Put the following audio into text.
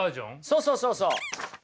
そうそうそうそう。